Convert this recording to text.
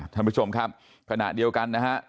ท่านผู้ชมครับขณะเดียวกันนะฮะ